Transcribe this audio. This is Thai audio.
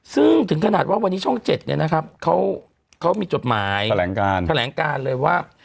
ซึ่งถึงขนาดว่าวันนี้ช่อง๗เนี่ยนะครับเขามีจดหมายแถลงการเลยว่า